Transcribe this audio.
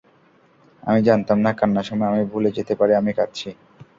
আমি জানতাম না, কান্নার সময় আমি ভুলে যেতে পারি আমি কাঁদছি।